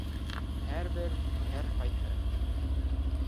Һәр бер, һәр ҡайһы